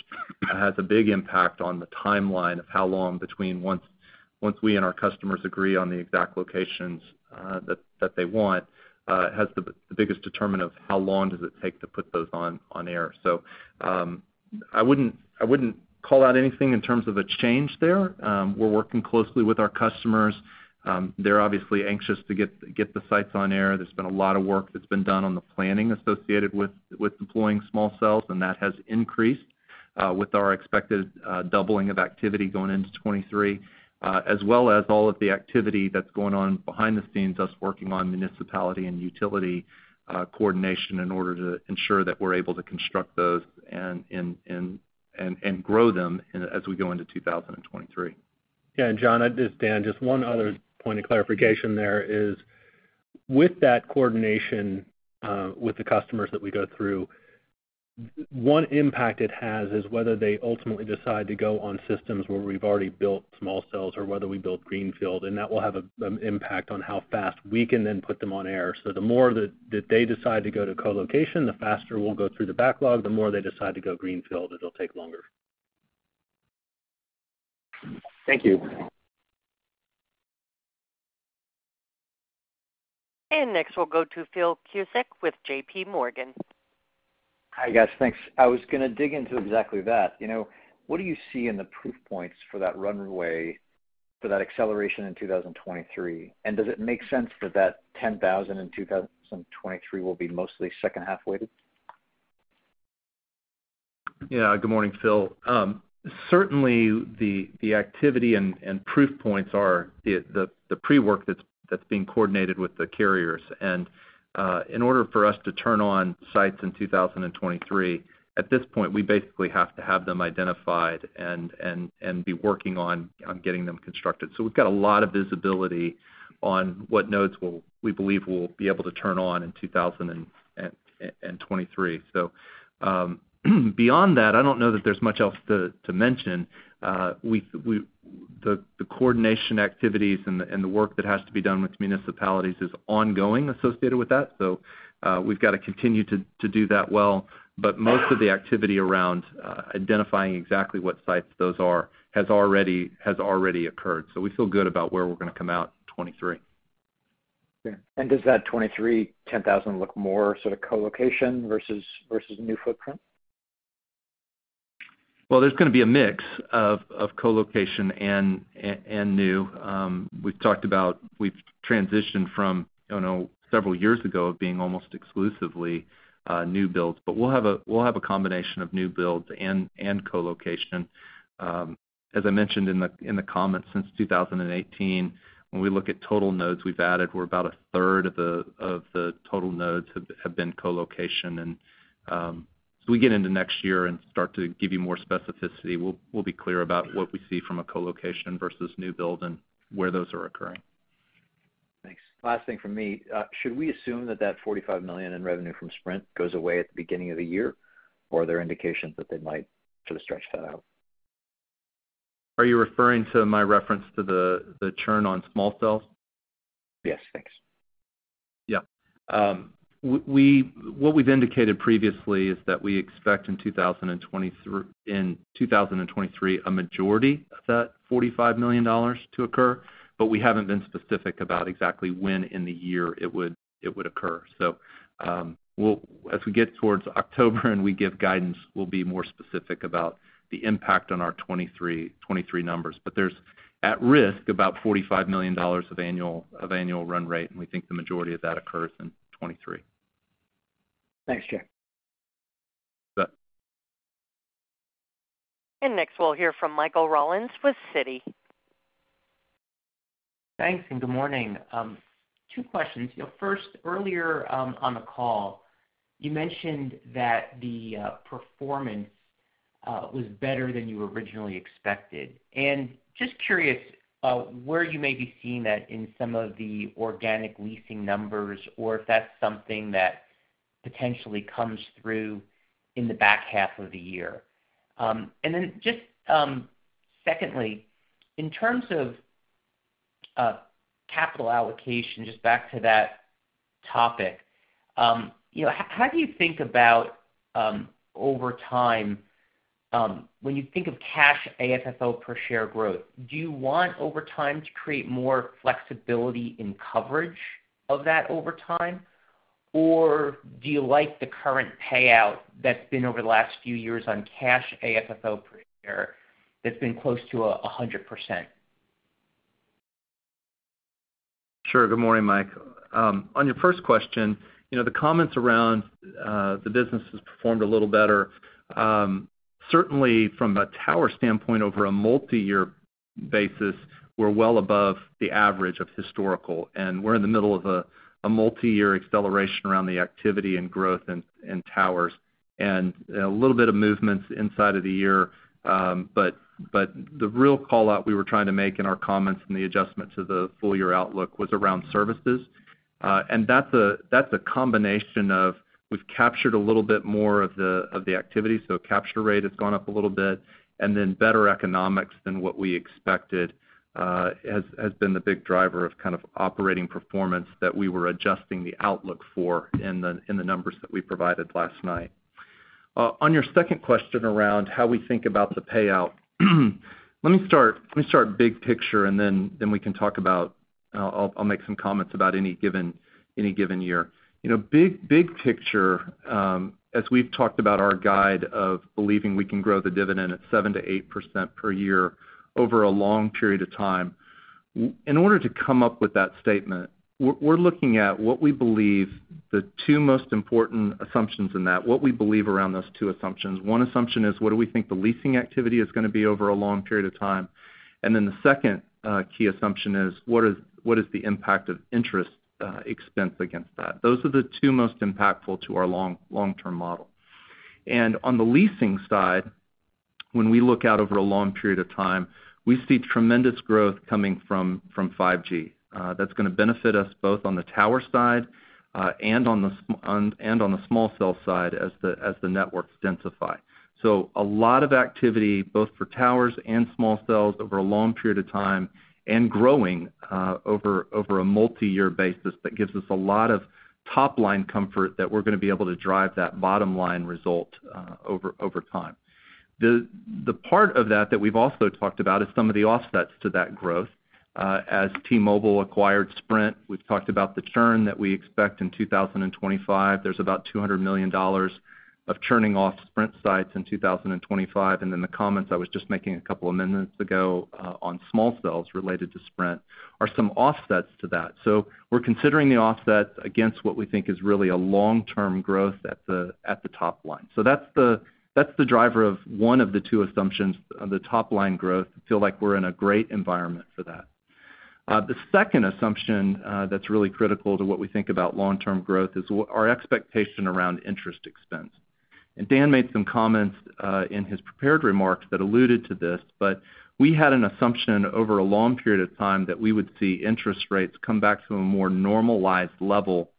has a big impact on the timeline of how long between once we and our customers agree on the exact locations that they want has the biggest determinant of how long does it take to put those on air. I wouldn't call out anything in terms of a change there. We're working closely with our customers. They're obviously anxious to get the sites on air. There's been a lot of work that's been done on the planning associated with deploying small cells, and that has increased with our expected doubling of activity going into 2023, as well as all of the activity that's going on behind the scenes, us working on municipalities and utilities coordination in order to ensure that we're able to construct those and grow them as we go into 2023. Yeah. Jonathan, this is Dan Schlanger. Just one other point of clarification there is with that coordination with the customers that we go through, one impact it has is whether they ultimately decide to go on systems where we've already built small cells or whether we build greenfield, and that will have an impact on how fast we can then put them on air. The more that they decide to go to co-location, the faster we'll go through the backlog. The more they decide to go greenfield, it'll take longer. Thank you. Next, we'll go to Philip Cusick with J.P. Morgan. Hi, guys. Thanks. I was gonna dig into exactly that. You know, what do you see in the proof points for that runway for that acceleration in 2023? Does it make sense that that 10,000 in 2023 will be mostly second half weighted? Yeah. Good morning, Phil. Certainly, the activity and proof points are the pre-work that's being coordinated with the carriers. In order for us to turn on sites in 2023, at this point, we basically have to have them identified and be working on getting them constructed. We've got a lot of visibility on what nodes we believe we'll be able to turn on in 2023. Beyond that, I don't know that there's much else to mention. The coordination activities and the work that has to be done with municipalities is ongoing associated with that. We've got to continue to do that well, but most of the activity around identifying exactly what sites those are has already occurred. We feel good about where we're gonna come out in 2023. Yeah. Does that 23-10,000 look more sort of co-location versus new footprint? Well, there's gonna be a mix of co-location and new. We've transitioned from, I don't know, several years ago of being almost exclusively new builds, but we'll have a combination of new builds and co-location. As I mentioned in the comments since 2018, when we look at total nodes we've added, we're about a third of the total nodes have been co-location. We get into next year and start to give you more specificity, we'll be clear about what we see from a co-location versus new build and where those are occurring. Thanks. Last thing from me. Should we assume that $45 million in revenue from Sprint goes away at the beginning of the year? Or are there indications that they might sort of stretch that out? Are you referring to my reference to the churn on small cells? Yes, thanks. Yeah. What we've indicated previously is that we expect in 2023 a majority of that $45 million to occur, but we haven't been specific about exactly when in the year it would occur. As we get towards October and we give guidance, we'll be more specific about the impact on our 2023 numbers. There's at risk about $45 million of annual run rate, and we think the majority of that occurs in 2023. Thanks, Jay. You bet. Next, we'll hear from Michael Rollins with Citi. Thanks, good morning. Two questions. You know, first, earlier, on the call, you mentioned that the performance was better than you originally expected. Just curious, where you may be seeing that in some of the organic leasing numbers or if that's something that potentially comes through in the back half of the year. Just, secondly, in terms of capital allocation, just back to that topic, you know, how do you think about, over time, when you think of cash AFFO per share growth, do you want over time to create more flexibility in coverage of that over time? Or do you like the current payout that's been over the last few years on cash AFFO per share that's been close to 100%? Sure. Good morning, Mike. On your first question, you know, the comments around the business has performed a little better. Certainly from a tower standpoint over a multi-year basis, we're well above the average of historical, and we're in the middle of a multi-year acceleration around the activity and growth in towers, and a little bit of movements inside of the year. But the real call-out we were trying to make in our comments and the adjustment to the full year outlook was around services. That's a combination of, we've captured a little bit more of the activity, so capture rate has gone up a little bit, and then better economics than what we expected has been the big driver of kind of operating performance that we were adjusting the outlook for in the numbers that we provided last night. On your second question around how we think about the payout, let me start big picture, and then we can talk about. I'll make some comments about any given year. You know, big picture, as we've talked about our guide of believing we can grow the dividend at 7%-8% per year over a long period of time, in order to come up with that statement, we're looking at what we believe the two most important assumptions in that, what we believe around those two assumptions. One assumption is what do we think the leasing activity is gonna be over a long period of time? Then the second key assumption is what is the impact of interest expense against that? Those are the two most impactful to our long-term model. On the leasing side, when we look out over a long period of time, we see tremendous growth coming from 5G. That's gonna benefit us both on the tower side, and on the small cell side as the networks densify. A lot of activity both for towers and small cells over a long period of time and growing over a multi-year basis that gives us a lot of top-line comfort that we're gonna be able to drive that bottom-line result over time. The part of that that we've also talked about is some of the offsets to that growth. As T-Mobile acquired Sprint, we've talked about the churn that we expect in 2025. There's about $200 million of churning off Sprint sites in 2025, and then the comments I was just making a couple of minutes ago on small cells related to Sprint are some offsets to that. We're considering the offsets against what we think is really a long-term growth at the top line. That's the driver of one of the two assumptions on the top line growth. I feel like we're in a great environment for that. The second assumption that's really critical to what we think about long-term growth is our expectation around interest expense. Dan made some comments in his prepared remarks that alluded to this, but we had an assumption over a long period of time that we would see interest rates come back to a more normalized level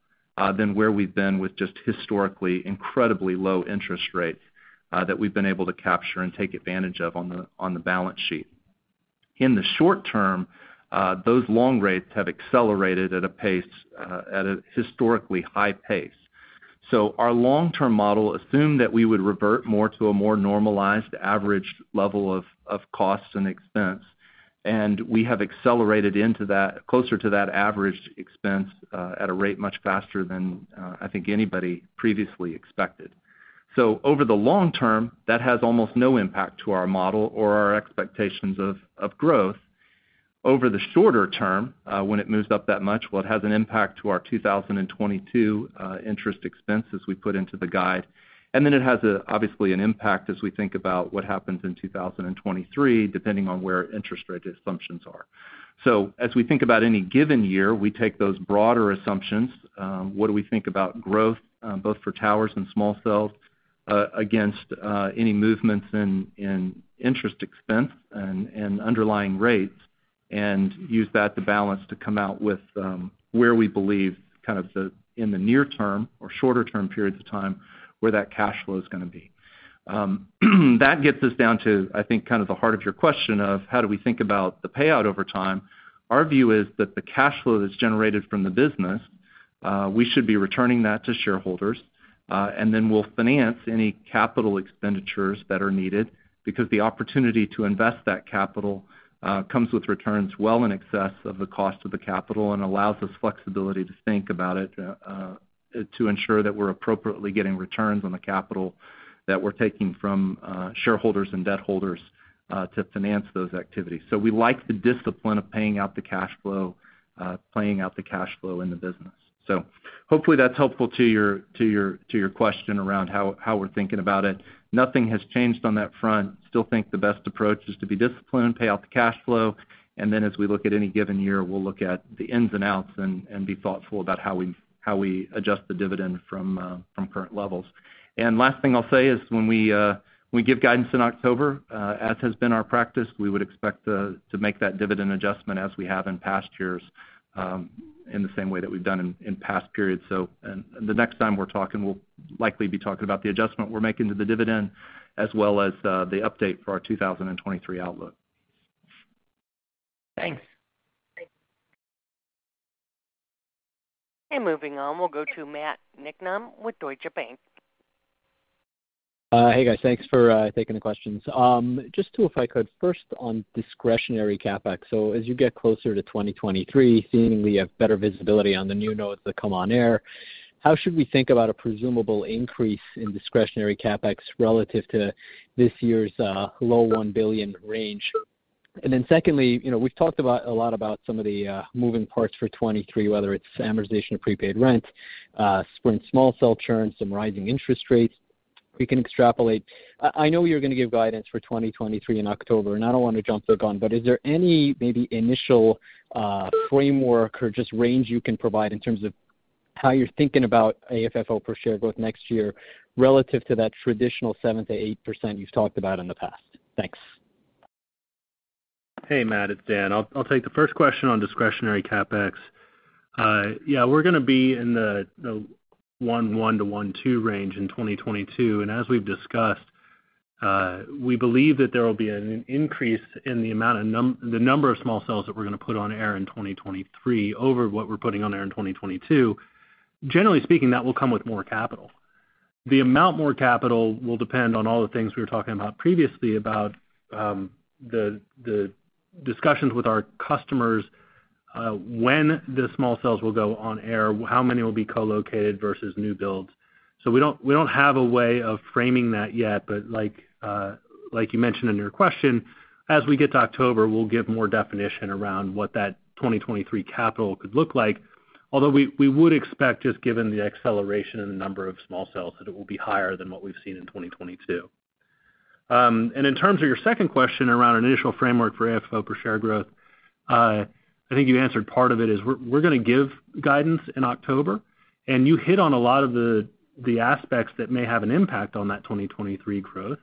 than where we've been with just historically incredibly low interest rates that we've been able to capture and take advantage of on the balance sheet. In the short term, those long rates have accelerated at a pace at a historically high pace. Our long-term model assumed that we would revert more to a more normalized average level of costs and expense, and we have accelerated into that, closer to that average expense at a rate much faster than I think anybody previously expected. Over the long term, that has almost no impact to our model or our expectations of growth. Over the shorter term, when it moves up that much, well, it has an impact to our 2022 interest expense as we put into the guide. Then it has, obviously, an impact as we think about what happens in 2023, depending on where interest rate assumptions are. As we think about any given year, we take those broader assumptions, what do we think about growth, both for towers and small cells, against any movements in interest expense and underlying rates, and use that to balance to come out with where we believe kind of the in the near term or shorter-term periods of time where that cash flow is gonna be. That gets us down to, I think, kind of the heart of your question of how do we think about the payout over time. Our view is that the cash flow that's generated from the business, we should be returning that to shareholders, and then we'll finance any capital expenditures that are needed because the opportunity to invest that capital, comes with returns well in excess of the cost of the capital and allows us flexibility to think about it, to ensure that we're appropriately getting returns on the capital that we're taking from, shareholders and debt holders, to finance those activities. We like the discipline of paying out the cash flow, paying out the cash flow in the business. Hopefully that's helpful to your question around how we're thinking about it. Nothing has changed on that front. Still think the best approach is to be disciplined, pay out the cash flow, and then as we look at any given year, we'll look at the ins and outs and be thoughtful about how we adjust the dividend from current levels. Last thing I'll say is when we give guidance in October, as has been our practice, we would expect to make that dividend adjustment as we have in past years, in the same way that we've done in past periods. The next time we're talking, we'll likely be talking about the adjustment we're making to the dividend as well as the update for our 2023 outlook. Thanks. Moving on, we'll go to Matthew Niknam with Deutsche Bank. Hey, guys. Thanks for taking the questions. Just two, if I could. First on discretionary CapEx. So as you get closer to 2023, seemingly you have better visibility on the new nodes that come on air. How should we think about a presumable increase in discretionary CapEx relative to this year's low $1 billion range? And then secondly, you know, we've talked about a lot about some of the moving parts for 2023, whether it's amortization of prepaid rent, Sprint small cell churn, some rising interest rates. We can extrapolate. I know you're gonna give guidance for 2023 in October, and I don't wanna jump the gun, but is there any maybe initial framework or just range you can provide in terms of how you're thinking about AFFO per share growth next year relative to that traditional 7%-8% you've talked about in the past? Thanks. Hey, Matt, it's Dan. I'll take the first question on discretionary CapEx. Yeah, we're gonna be in the 1.1-1.2 range in 2022, and as we've discussed, we believe that there will be an increase in the number of small cells that we're gonna put on air in 2023 over what we're putting on air in 2022. Generally speaking, that will come with more capital. The amount more capital will depend on all the things we were talking about previously about the discussions with our customers, when the small cells will go on air, how many will be co-located versus new builds. We don't have a way of framing that yet, but like you mentioned in your question, as we get to October, we'll give more definition around what that 2023 capital could look like. Although we would expect, just given the acceleration in the number of small cells, that it will be higher than what we've seen in 2022. And in terms of your second question around an initial framework for AFFO per share growth, I think you answered part of it, is we're gonna give guidance in October, and you hit on a lot of the aspects that may have an impact on that 2023 growth.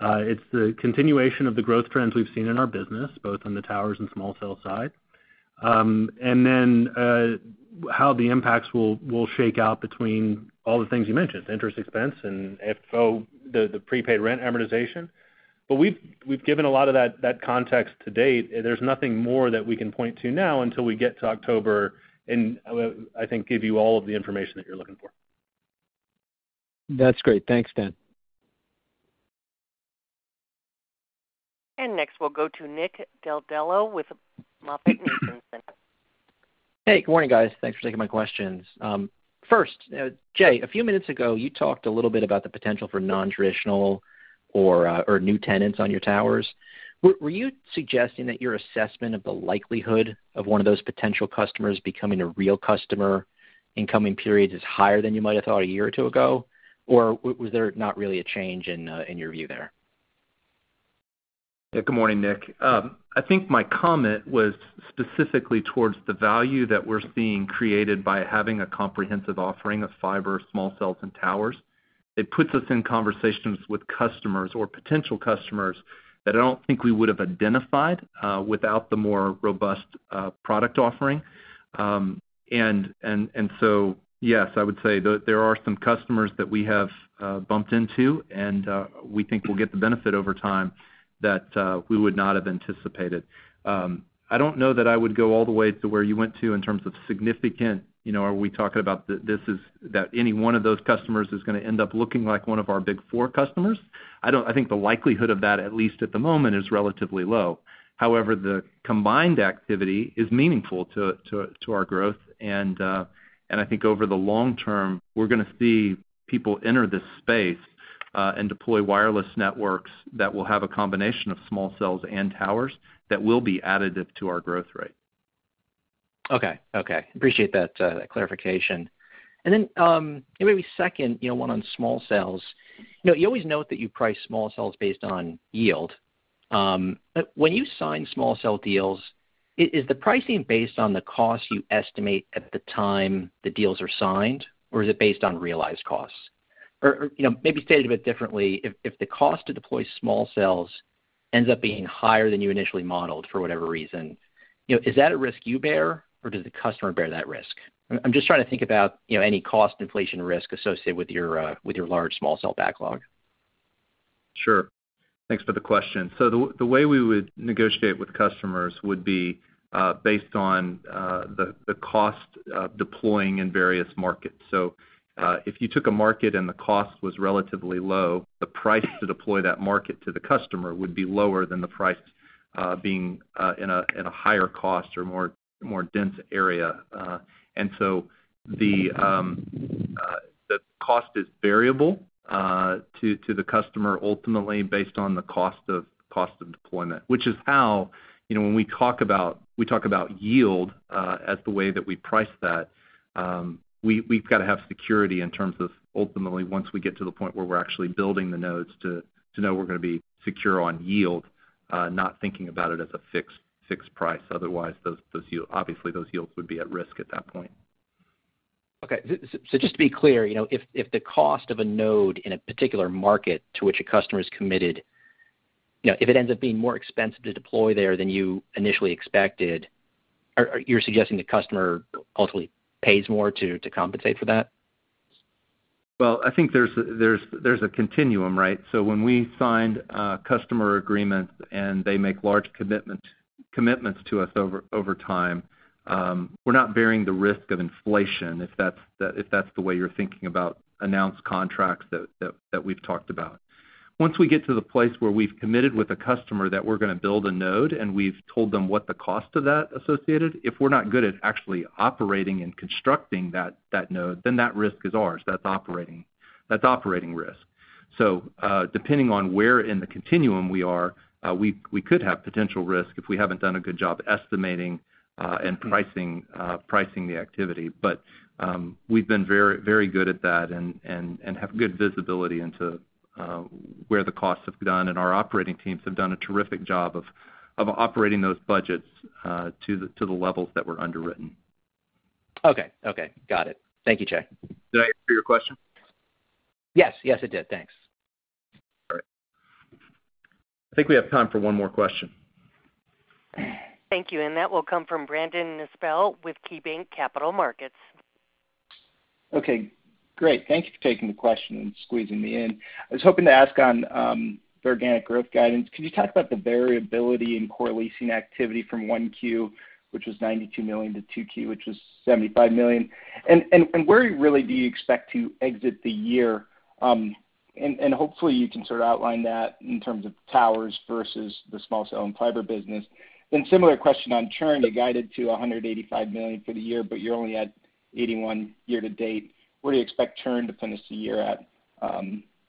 It's the continuation of the growth trends we've seen in our business, both on the towers and small cell side. How the impacts will shake out between all the things you mentioned, interest expense and FFO, the prepaid rent amortization. We've given a lot of that context to date. There's nothing more that we can point to now until we get to October and I think give you all of the information that you're looking for. That's great. Thanks, Dan. Next, we'll go to Nick Del Deo with Bank. Hey, good morning, guys. Thanks for taking my questions. First, Jay, a few minutes ago, you talked a little bit about the potential for non-traditional or new tenants on your towers. Were you suggesting that your assessment of the likelihood of one of those potential customers becoming a real customer in coming periods is higher than you might have thought a year or two ago, or was there not really a change in your view there? Yeah, good morning, Nick. I think my comment was specifically toward the value that we're seeing created by having a comprehensive offering of fiber, small cells, and towers. It puts us in conversations with customers or potential customers that I don't think we would've identified without the more robust product offering. Yes, I would say there are some customers that we have bumped into, and we think we'll get the benefit over time that we would not have anticipated. I don't know that I would go all the way to where you went to in terms of significant. You know, are we talking about that any one of those customers is gonna end up looking like one of our big four customers? I don't. I think the likelihood of that, at least at the moment, is relatively low. However, the combined activity is meaningful to our growth and I think over the long term, we're gonna see people enter this space and deploy wireless networks that will have a combination of small cells and towers that will be additive to our growth rate. Okay. Appreciate that clarification. Maybe second, you know, one on small cells. You know, you always note that you price small cells based on yield, but when you sign small cell deals, is the pricing based on the cost you estimate at the time the deals are signed, or is it based on realized costs? Or, you know, maybe stated a bit differently, if the cost to deploy small cells ends up being higher than you initially modeled for whatever reason, you know, is that a risk you bear, or does the customer bear that risk? I'm just trying to think about, you know, any cost inflation risk associated with your large small cell backlog. Sure. Thanks for the question. The way we would negotiate with customers would be based on the cost of deploying in various markets. If you took a market and the cost was relatively low, the price to deploy that market to the customer would be lower than the price being in a higher cost or more dense area. The cost is variable to the customer ultimately based on the cost of deployment, which is how, you know, when we talk about yield as the way that we price that, we've gotta have security in terms of ultimately once we get to the point where we're actually building the nodes to know we're gonna be secure on yield, not thinking about it as a fixed price. Otherwise, those yields would be at risk at that point. Okay. Just to be clear, you know, if the cost of a node in a particular market to which a customer is committed, you know, if it ends up being more expensive to deploy there than you initially expected, are you suggesting the customer ultimately pays more to compensate for that? Well, I think there's a continuum, right? When we signed a customer agreement and they make large commitments to us over time, we're not bearing the risk of inflation, if that's the way you're thinking about announced contracts that we've talked about. Once we get to the place where we've committed with a customer that we're gonna build a node and we've told them what the cost of that associated, if we're not good at actually operating and constructing that node, then that risk is ours. That's operating risk. Depending on where in the continuum we are, we could have potential risk if we haven't done a good job estimating and pricing the activity. We've been very, very good at that and have good visibility into where the costs have gone, and our operating teams have done a terrific job of operating those budgets to the levels that were underwritten. Okay. Got it. Thank you, Jay. Did I answer your question? Yes. Yes, it did. Thanks. All right. I think we have time for one more question. Thank you, and that will come from Brandon Nispel with KeyBanc Capital Markets. Okay, great. Thank you for taking the question and squeezing me in. I was hoping to ask on the organic growth guidance. Could you talk about the variability in core leasing activity from 1Q, which was $92 million, to 2Q, which was $75 million? Where really do you expect to exit the year? Hopefully you can sort of outline that in terms of towers versus the small cell and fiber business. Similar question on churn. You guided to $185 million for the year, but you're only at $81 year to date. Where do you expect churn to finish the year at?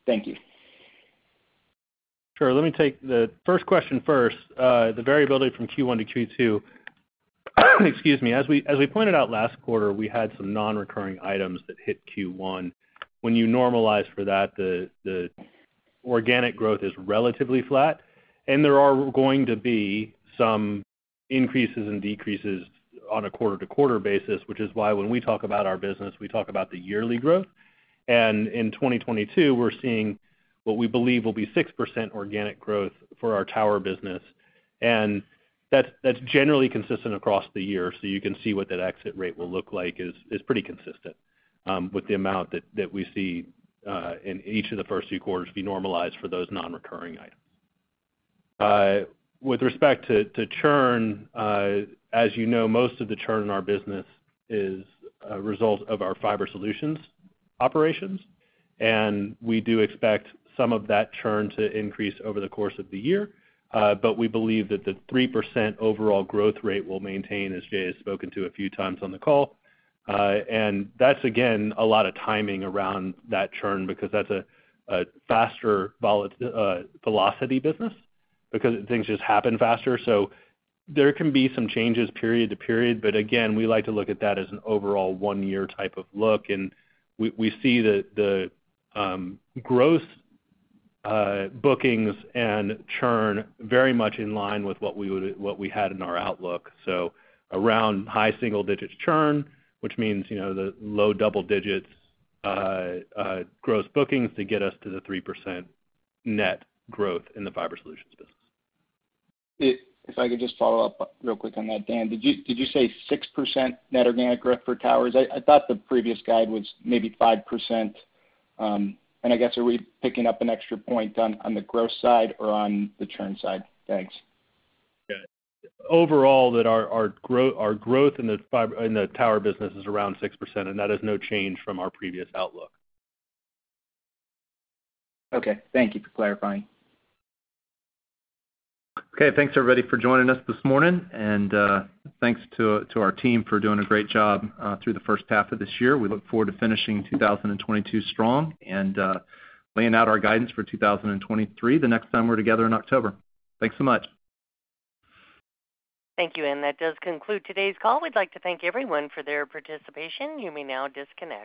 Thank you. Sure. Let me take the first question first. The variability from Q1 to Q2, excuse me. As we pointed out last quarter, we had some non-recurring items that hit Q1. When you normalize for that, the organic growth is relatively flat, and there are going to be some increases and decreases on a quarter-to-quarter basis, which is why when we talk about our business, we talk about the yearly growth. In 2022, we're seeing what we believe will be 6% organic growth for our tower business, and that's generally consistent across the year. You can see what that exit rate will look like is pretty consistent with the amount that we see in each of the first two quarters if you normalize for those non-recurring items. With respect to churn, as you know, most of the churn in our business is a result of our fiber solutions operations, and we do expect some of that churn to increase over the course of the year, but we believe that the 3% overall growth rate will maintain, as Jay has spoken to a few times on the call. That's again a lot of timing around that churn because that's a faster velocity business because things just happen faster. There can be some changes period to period, but again, we like to look at that as an overall one-year type of look. We see the growth, bookings and churn very much in line with what we had in our outlook. Around high single digits churn, which means, you know, the low double digits gross bookings to get us to the 3% net growth in the fiber solutions business. If I could just follow up real quick on that, Dan, did you say 6% net organic growth for towers? I thought the previous guide was maybe 5%, and I guess are we picking up an extra point on the growth side or on the churn side? Thanks. Yeah. Overall, our growth in the tower business is around 6%, and that is no change from our previous outlook. Okay. Thank you for clarifying. Okay. Thanks, everybody, for joining us this morning, and thanks to our team for doing a great job through the first half of this year. We look forward to finishing 2022 strong and laying out our guidance for 2023 the next time we're together in October. Thanks so much. Thank you, and that does conclude today's call. We'd like to thank everyone for their participation. You may now disconnect.